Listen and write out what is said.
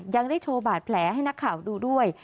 ยังได้โชว์บาดแผลให้นักข่าวดูด้วย